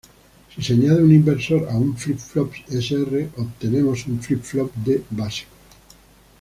Si se añade un inversor a un flip-flop S-R obtenemos un flip-flop D básico.